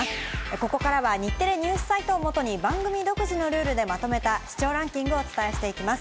ここからは日テレＮＥＷＳサイトを基に、番組独自のルールでまとめた視聴ランキングをお伝えしていきます。